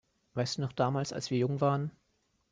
Weißt du noch damals, als wir noch jung waren?